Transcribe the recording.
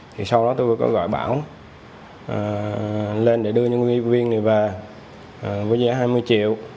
thì sau đó tôi có gọi bảo lên để đưa nhân viên này về với giá hai mươi triệu